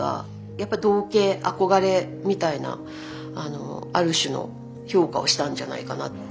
やっぱ憧憬憧れみたいなある種の評価をしたんじゃないかなって。